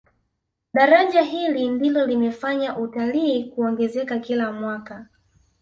daraja hili ndilo limefanya utalii kuongezeka kila mwaka